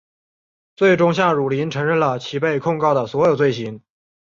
最终向汝霖承认了其被控告的所有罪行。